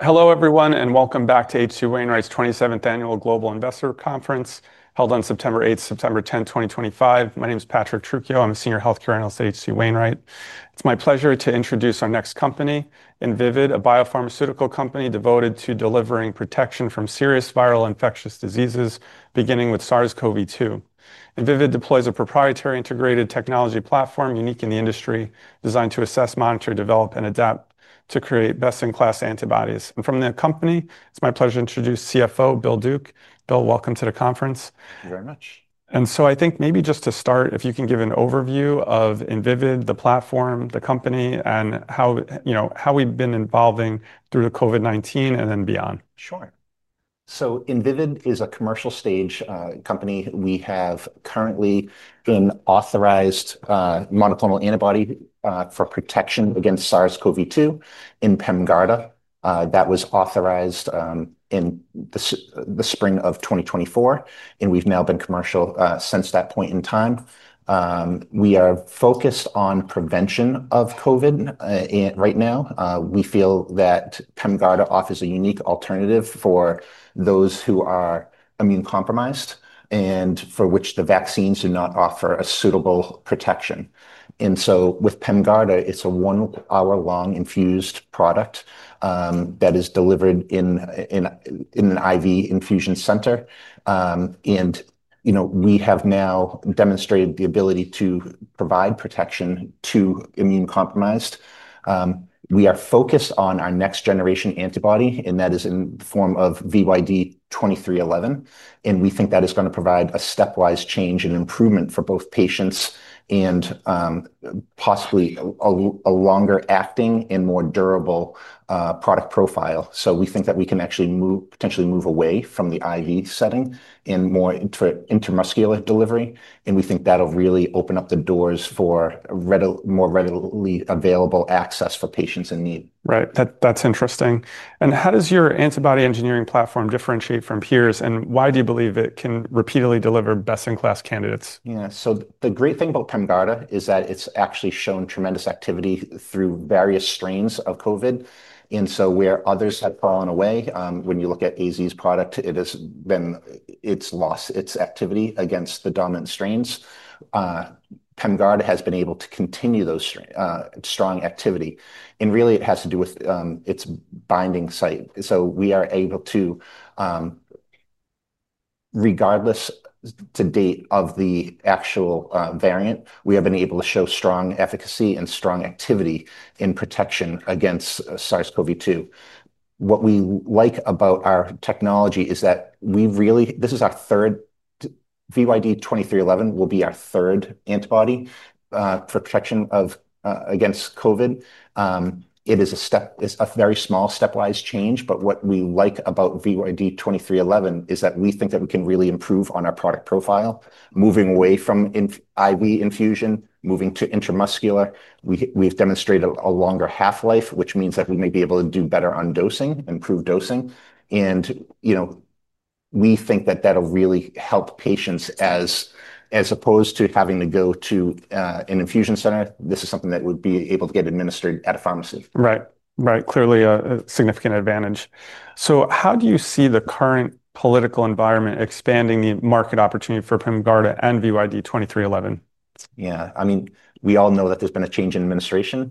Hello everyone, and welcome back to H.C. Wainwright's 27th Annual Global Investor Conference held on September 8th, September 10th, 2025. My name is Patrick Truchio. I'm a Senior Healthcare Analyst at H.C. Wainwright. It's my pleasure to introduce our next company, Invivyd, a biopharmaceutical company devoted to delivering protection from serious viral infectious diseases, beginning with SARS-CoV-2. Invivyd deploys a proprietary integrated technology platform unique in the industry, designed to assess, monitor, develop, and adapt to create best-in-class antibodies. From the company, it's my pleasure to introduce Chief Financial Officer, William Duke. William, welcome to the conference. Thank you very much. I think maybe just to start, if you can give an overview of Invivyd, the platform, the company, and how we've been evolving through the COVID-19 and then beyond. Sure. Invivyd is a commercial-stage company. We have currently been authorized, monoclonal antibody, for protection against SARS-CoV-2 in PEMGARDA. That was authorized in the spring of 2024, and we've now been commercial since that point in time. We are focused on prevention of COVID right now. We feel that PEMGARDA offers a unique alternative for those who are immunocompromised and for which the vaccines do not offer suitable protection. With PEMGARDA, it's a one-hour long infused product that is delivered in an IV infusion center. We have now demonstrated the ability to provide protection to immunocompromised. We are focused on our next-generation antibody, and that is in the form of VYD-2311. We think that is going to provide a stepwise change and improvement for both patients and, possibly, a longer-acting and more durable product profile. We think that we can actually potentially move away from the IV setting and more into intramuscular delivery. We think that'll really open up the doors for more readily available access for patients in need. Right. That's interesting. How does your antibody engineering platform differentiate from peers, and why do you believe it can repeatedly deliver best-in-class candidates? Yeah, the great thing about PEMGARDA is that it's actually shown tremendous activity through various strains of COVID. Where others had fallen away, when you look at AstraZeneca's product, it has lost its activity against the dominant strains. PEMGARDA has been able to continue strong activity. It really has to do with its binding site. We are able to, regardless to date of the actual variant, show strong efficacy and strong activity in protection against SARS-CoV-2. What we like about our technology is that this is our third, VYD-2311 will be our third antibody, protection against COVID. It is a very small stepwise change, but what we like about VYD-2311 is that we think we can really improve on our product profile, moving away from intravenous delivery, moving to intramuscular administration. We've demonstrated a longer half-life, which means that we may be able to do better on dosing, improve dosing. We think that that'll really help patients as opposed to having to go to an infusion center. This is something that would be able to get administered at a pharmacy. Clearly a significant advantage. How do you see the current political environment expanding the market opportunity for PEMGARDA and VYD-2311? Yeah, I mean, we all know that there's been a change in administration.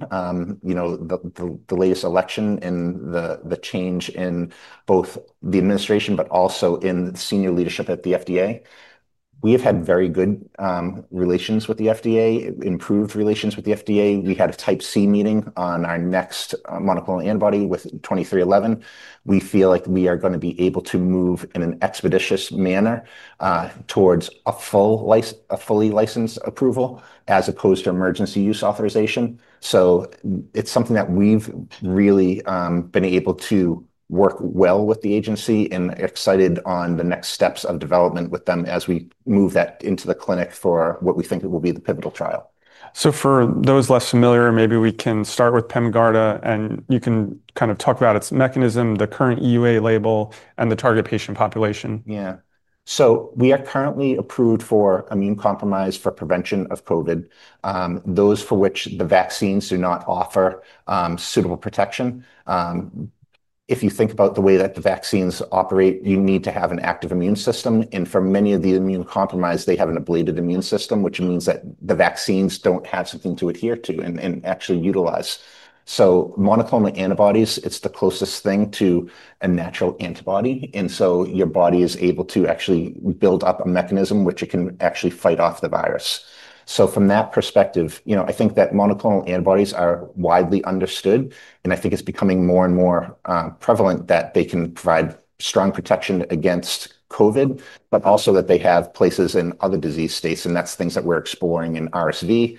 You know, the latest election and the change in both the administration, but also in the senior leadership at the FDA. We have had very good relations with the FDA, improved relations with the FDA. We had a type C meeting on our next monoclonal antibody with VYD-2311. We feel like we are going to be able to move in an expeditious manner, towards a full, a fully licensed approval as opposed to emergency use authorization. It's something that we've really been able to work well with the agency and excited on the next steps of development with them as we move that into the clinic for what we think it will be the pivotal trial. For those less familiar, maybe we can start with PEMGARDA, and you can kind of talk about its mechanism, the current EUA label, and the target patient population. Yeah, so we are currently approved for immunocompromised for prevention of COVID. Those for which the vaccines do not offer suitable protection. If you think about the way that the vaccines operate, you need to have an active immune system. For many of the immunocompromised, they have an ablated immune system, which means that the vaccines don't have something to adhere to and actually utilize. Monoclonal antibodies, it's the closest thing to a natural antibody, and your body is able to actually build up a mechanism which it can actually fight off the virus. From that perspective, I think that monoclonal antibodies are widely understood. I think it's becoming more and more prevalent that they can provide strong protection against COVID, but also that they have places in other disease states. That's things that we're exploring in RSV.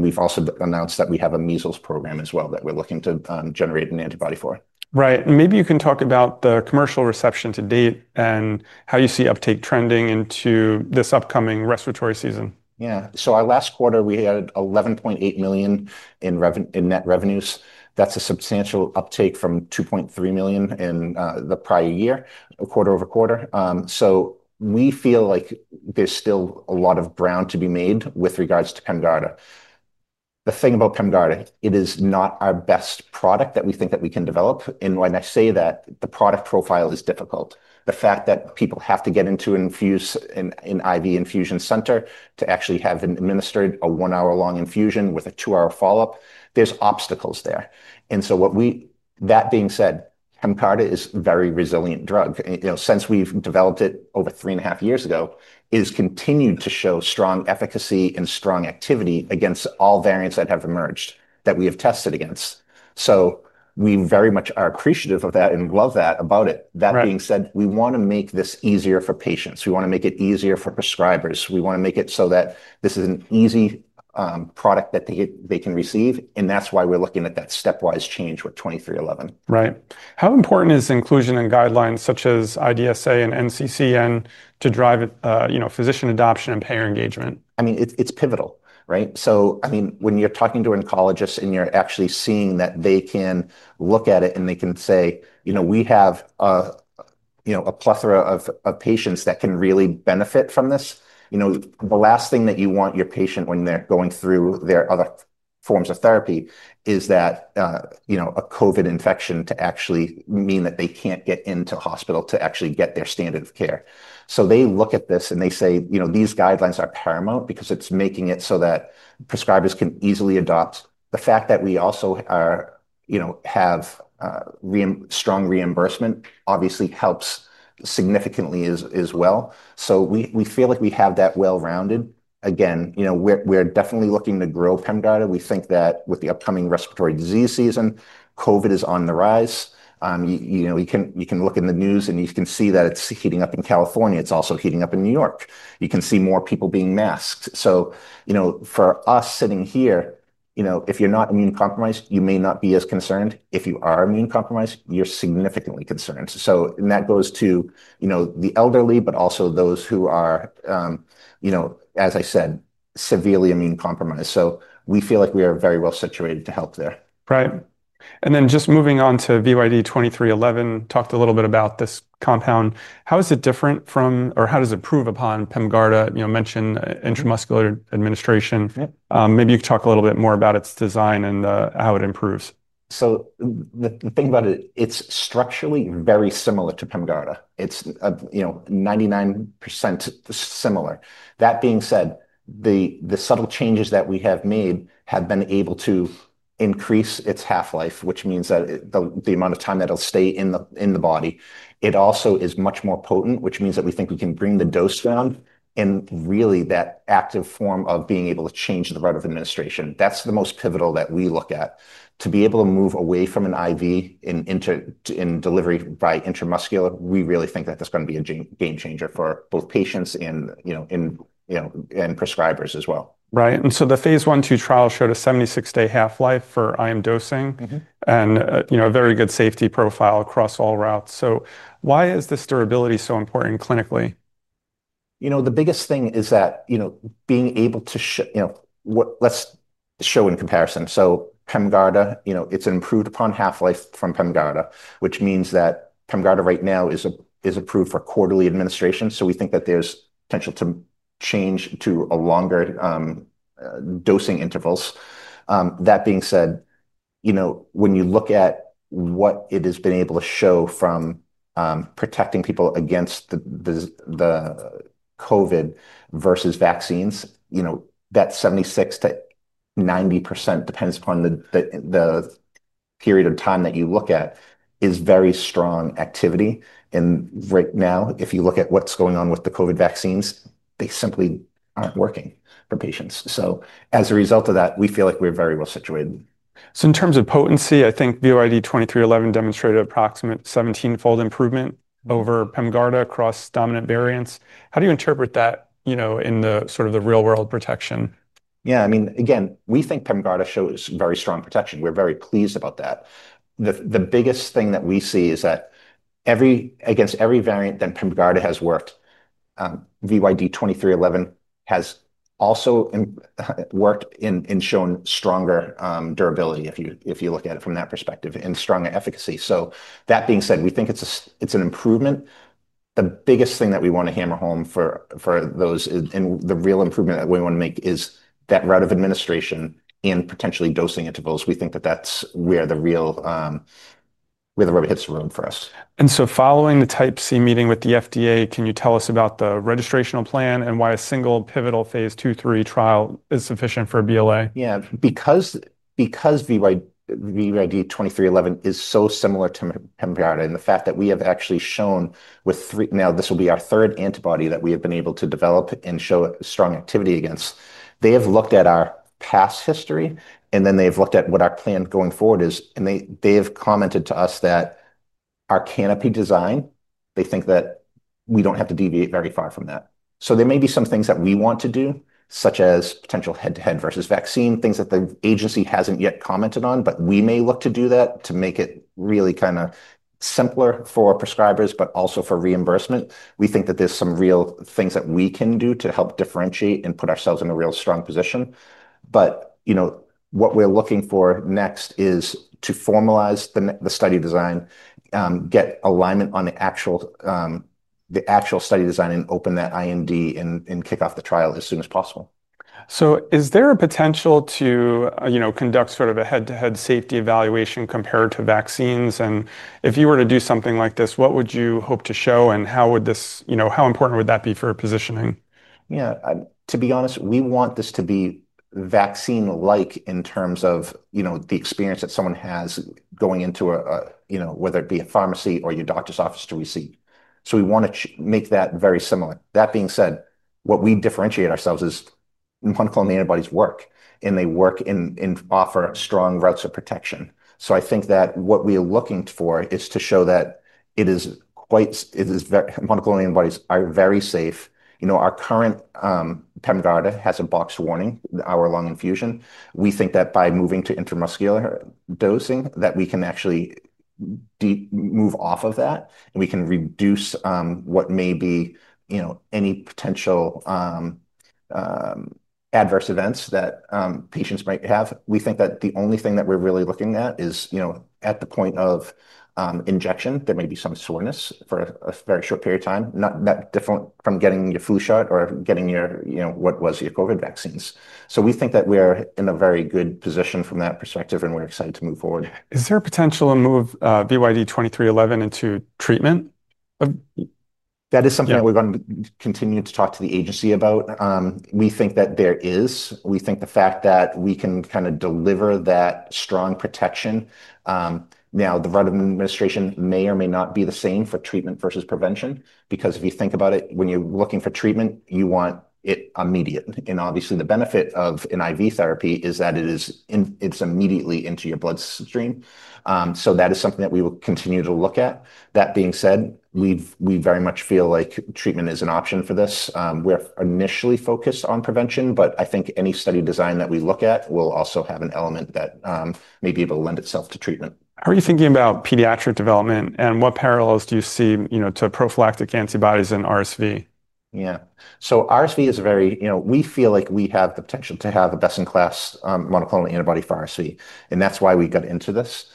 We've also announced that we have a measles program as well that we're looking to generate an antibody for. Right. Maybe you can talk about the commercial reception to date and how you see uptake trending into this upcoming respiratory season. Yeah, so our last quarter we had $11.8 million in net revenues. That's a substantial uptake from $2.3 million in the prior year, quarter over quarter. We feel like there's still a lot of ground to be made with regards to PEMGARDA. The thing about PEMGARDA, it is not our best product that we think that we can develop. When I say that, the product profile is difficult. The fact that people have to get into an IV infusion center to actually have administered a one-hour long infusion with a two-hour follow-up, there's obstacles there. That being said, PEMGARDA is a very resilient drug. You know, since we've developed it over three and a half years ago, it has continued to show strong efficacy and strong activity against all variants that have emerged that we have tested against. We very much are appreciative of that and love that about it. That being said, we want to make this easier for patients. We want to make it easier for prescribers. We want to make it so that this is an easy product that they can receive. That's why we're looking at that stepwise change with VYD-2311. Right. How important is inclusion in guidelines such as IDSA and NCCN to drive, you know, physician adoption and payer engagement? I mean, it's pivotal, right? When you're talking to an oncologist and you're actually seeing that they can look at it and they can say, you know, we have a plethora of patients that can really benefit from this. The last thing that you want your patient, when they're going through their other forms of therapy, is that a COVID infection to actually mean that they can't get into hospital to actually get their standard of care. They look at this and they say these guidelines are paramount because it's making it so that prescribers can easily adopt. The fact that we also have strong reimbursement obviously helps significantly as well. We feel like we have that well-rounded. Again, we're definitely looking to grow PEMGARDA. We think that with the upcoming respiratory disease season, COVID is on the rise. You can look in the news and you can see that it's heating up in California. It's also heating up in New York. You can see more people being masked. For us sitting here, if you're not immunocompromised, you may not be as concerned. If you are immunocompromised, you're significantly concerned. That goes to the elderly, but also those who are, as I said, severely immunocompromised. We feel like we are very well situated to help there. Right. Moving on to VYD-2311, talked a little bit about this compound. How is it different from, or how does it improve upon PEMGARDA? You know, mentioned intramuscular administration. Maybe you could talk a little bit more about its design and how it improves. The thing about it, it's structurally very similar to PEMGARDA. It's, you know, 99% similar. That being said, the subtle changes that we have made have been able to increase its half-life, which means that the amount of time that'll stay in the body. It also is much more potent, which means that we think we can bring the dose down and really that active form of being able to change the route of administration. That's the most pivotal that we look at. To be able to move away from an IV and delivery by intramuscular, we really think that that's going to be a game changer for both patients and, you know, prescribers as well. Right. The Phase 1/2 trial showed a 76-day half-life for IM dosing and a very good safety profile across all routes. Why is this durability so important clinically? The biggest thing is that being able to show what, let's show in comparison. PEMGARDA, it's an improved upon half-life from PEMGARDA, which means that PEMGARDA right now is approved for quarterly administration. We think that there's potential to change to longer dosing intervals. That being said, when you look at what it has been able to show from protecting people against the COVID versus vaccines, that 76% to 90%, depends upon the period of time that you look at, is very strong activity. Right now, if you look at what's going on with the COVID vaccines, they simply aren't working for patients. As a result of that, we feel like we're very well situated. In terms of potency, I think VYD-2311 demonstrated approximate 17-fold improvement over PEMGARDA across dominant variants. How do you interpret that, you know, in the sort of the real-world protection? Yeah, I mean, again, we think PEMGARDA shows very strong protection. We're very pleased about that. The biggest thing that we see is that against every variant that PEMGARDA has worked, VYD-2311 has also worked and shown stronger durability if you look at it from that perspective and stronger efficacy. That being said, we think it's an improvement. The biggest thing that we want to hammer home for those and the real improvement that we want to make is that route of administration and potentially dosing intervals. We think that that's where the real, where the rubber hits the road for us. Following the type C meeting with the FDA, can you tell us about the registrational plan and why a single pivotal Phase 2/3 trial is sufficient for BLA? Yeah, because VYD-2311 is so similar to PEMGARDA and the fact that we have actually shown with three, now this will be our third antibody that we have been able to develop and show strong activity against. They have looked at our past history and then they've looked at what our plan going forward is, and they've commented to us that our canopy design, they think that we don't have to deviate very far from that. There may be some things that we want to do, such as potential head-to-head versus vaccine, things that the agency hasn't yet commented on, but we may look to do that to make it really kind of simpler for prescribers, but also for reimbursement. We think that there's some real things that we can do to help differentiate and put ourselves in a real strong position. What we're looking for next is to formalize the study design, get alignment on the actual, the actual study design and open that IMD and kick off the trial as soon as possible. Is there a potential to conduct sort of a head-to-head safety evaluation compared to vaccines? If you were to do something like this, what would you hope to show and how important would that be for a positioning? To be honest, we want this to be vaccine-like in terms of the experience that someone has going into a pharmacy or your doctor's office to receive. We want to make that very similar. That being said, where we differentiate ourselves is monoclonal antibodies work and they work and offer strong routes of protection. I think that what we are looking for is to show that it is quite, it is very, monoclonal antibodies are very safe. Our current, PEMGARDA has a box warning, the hour-long infusion. We think that by moving to intramuscular dosing, we can actually move off of that and we can reduce what may be any potential adverse events that patients might have. We think that the only thing that we're really looking at is at the point of injection, there may be some soreness for a very short period of time, not that different from getting your flu shot or getting your COVID vaccines. We think that we're in a very good position from that perspective and we're excited to move forward. Is there a potential to move VYD-2311 into treatment? That is something that we're going to continue to talk to the agency about. We think that there is. We think the fact that we can kind of deliver that strong protection. Now the route of administration may or may not be the same for treatment versus prevention because if you think about it, when you're looking for treatment, you want it immediate. Obviously, the benefit of an IV therapy is that it is immediately into your bloodstream. That is something that we will continue to look at. That being said, we very much feel like treatment is an option for this. We're initially focused on prevention, but I think any study design that we look at will also have an element that may be able to lend itself to treatment. Are you thinking about pediatric development, and what parallels do you see to prophylactic antibodies and RSV? Yeah, RSV is a very, you know, we feel like we have the potential to have a best-in-class monoclonal antibody for RSV. That's why we got into this.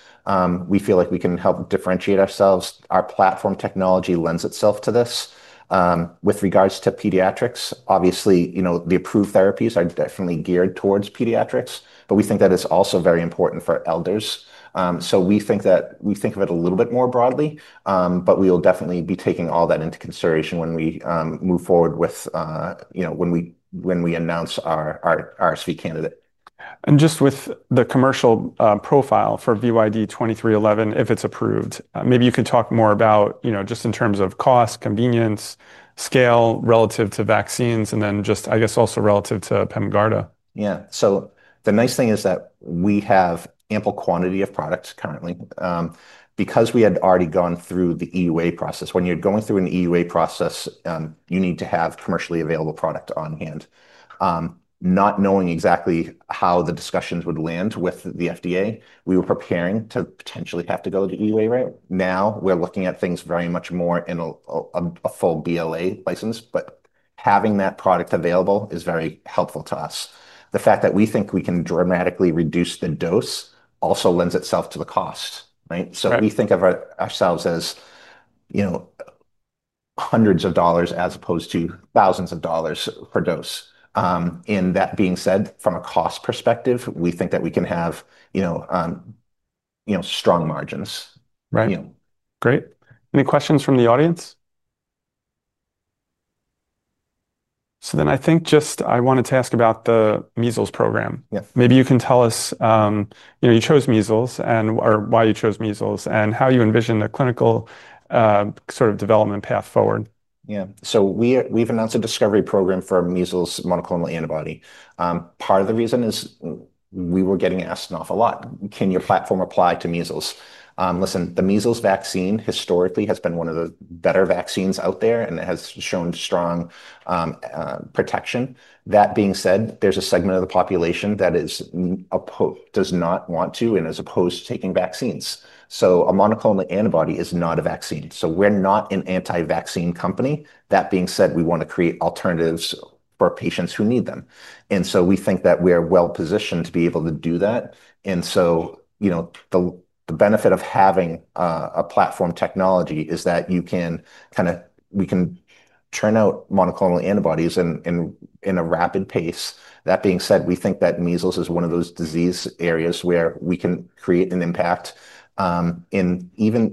We feel like we can help differentiate ourselves. Our platform technology lends itself to this. With regards to pediatrics, obviously, you know, the approved therapies are definitely geared towards pediatrics, but we think that it's also very important for elders. We think of it a little bit more broadly, but we will definitely be taking all that into consideration when we move forward with, you know, when we announce our RSV candidate. With the commercial profile for VYD-2311, if it's approved, maybe you could talk more about, you know, just in terms of cost, convenience, scale relative to vaccines, and then also relative to PEMGARDA. Yeah, so the nice thing is that we have ample quantity of products currently. Because we had already gone through the EUA process, when you're going through an EUA process, you need to have commercially available product on hand. Not knowing exactly how the discussions would land with the FDA, we were preparing to potentially have to go to EUA, right? Now we're looking at things very much more in a full BLA license, but having that product available is very helpful to us. The fact that we think we can dramatically reduce the dose also lends itself to the cost, right? We think of ourselves as, you know, hundreds of dollars as opposed to thousands of dollars per dose. That being said, from a cost perspective, we think that we can have, you know, strong margins. Right. Great. Any questions from the audience? I wanted to ask about the measles program. Maybe you can tell us why you chose measles and how you envision a clinical, sort of development path forward. Yeah, so we've announced a discovery program for measles monoclonal antibody. Part of the reason is we were getting asked an awful lot, can your platform apply to measles? Listen, the measles vaccine historically has been one of the better vaccines out there and has shown strong protection. That being said, there's a segment of the population that does not want to and is opposed to taking vaccines. A monoclonal antibody is not a vaccine. We're not an anti-vaccine company. That being said, we want to create alternatives for patients who need them. We think that we're well positioned to be able to do that. The benefit of having a platform technology is that you can kind of, we can churn out monoclonal antibodies at a rapid pace. That being said, we think that measles is one of those disease areas where we can create an impact, and even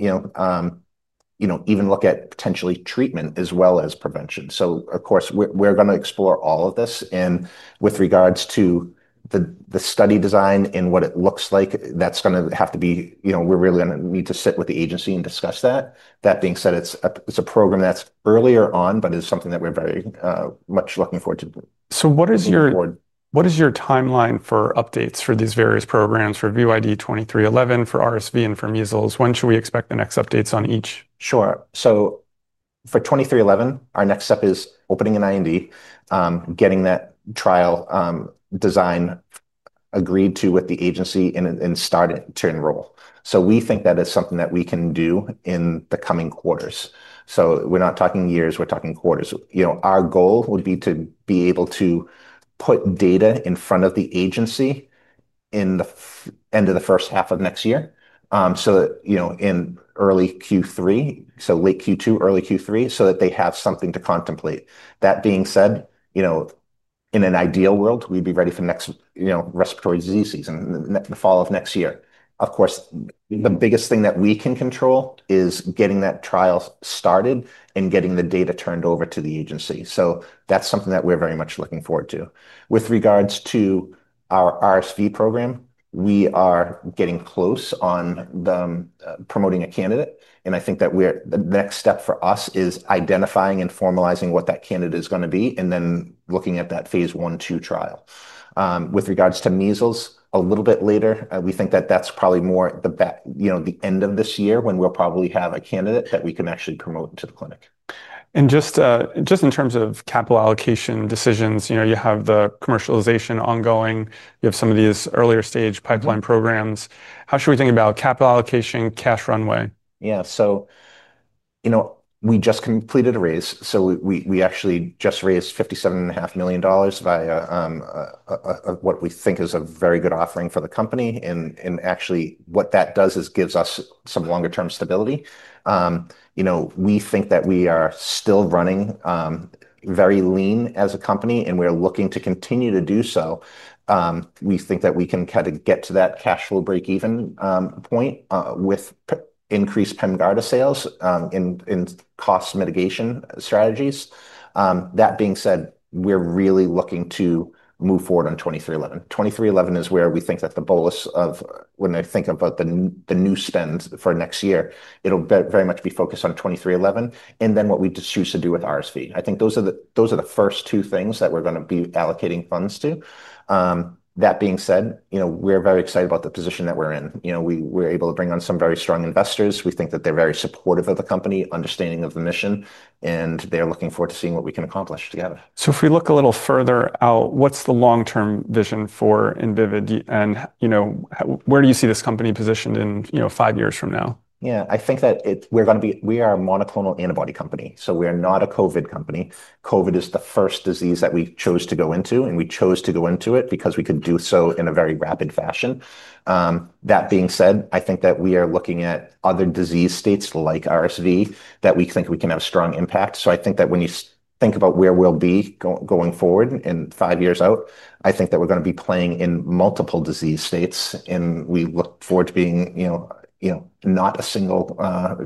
look at potentially treatment as well as prevention. Of course, we're going to explore all of this. With regards to the study design and what it looks like, that's going to have to be, we're really going to need to sit with the agency and discuss that. That being said, it's a program that's earlier on, but it's something that we're very much looking forward to. What is your timeline for updates for these various programs for VYD-2311, for RSV, and for measles? When should we expect the next updates on each? Sure. For 2311, our next step is opening an IND, getting that trial design agreed to with the agency, and starting to enroll. We think that is something that we can do in the coming quarters. We're not talking years, we're talking quarters. Our goal would be to be able to put data in front of the agency at the end of the first half of next year, in early Q3, so late Q2, early Q3, so that they have something to contemplate. That being said, in an ideal world, we'd be ready for next respiratory disease season in the fall of next year. Of course, the biggest thing that we can control is getting that trial started and getting the data turned over to the agency. That's something that we're very much looking forward to. With regards to our RSV program, we are getting close on promoting a candidate. I think that the next step for us is identifying and formalizing what that candidate is going to be and then looking at that Phase 1/2 trial. With regards to measles, a little bit later, we think that that's probably more the end of this year when we'll probably have a candidate that we can actually promote to the clinic. In terms of capital allocation decisions, you know, you have the commercialization ongoing. You have some of these earlier stage pipeline programs. How should we think about capital allocation, cash runway? Yeah, we just completed a raise. We actually just raised $57.5 million via what we think is a very good offering for the company. What that does is gives us some longer-term stability. We think that we are still running very lean as a company, and we're looking to continue to do so. We think that we can kind of get to that cash flow breakeven point with increased PEMGARDA sales and cost mitigation strategies. That being said, we're really looking to move forward on VYD-2311. VYD-2311 is where we think that the bolus of, when I think about the new spend for next year, it'll very much be focused on VYD-2311 and then what we choose to do with RSV. I think those are the first two things that we're going to be allocating funds to. That being said, we're very excited about the position that we're in. We were able to bring on some very strong investors. We think that they're very supportive of the company, understanding of the mission, and they're looking forward to seeing what we can accomplish together. If we look a little further out, what's the long-term vision for Invivyd, and where do you see this company positioned in five years from now? Yeah, I think that we're going to be, we are a monoclonal antibody company. We are not a COVID company. COVID is the first disease that we chose to go into, and we chose to go into it because we could do so in a very rapid fashion. That being said, I think that we are looking at other disease states like RSV that we think we can have strong impact. I think that when you think about where we'll be going forward in five years out, I think that we're going to be playing in multiple disease states, and we look forward to being, you know, not a single,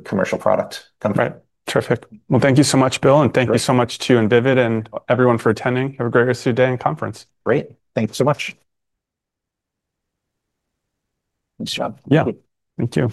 commercial product company. Terrific. Thank you so much, Bill, and thank you so much to Invivyd and everyone for attending. Have a great rest of your day and conference. Great. Thank you so much. Thank you.